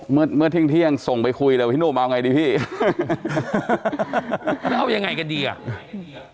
เมื่อเมื่อเที่ยงเที่ยงส่งไปคุยเลยพี่หนุ่มเอาไงดีพี่แล้วเอายังไงกันดีอ่ะ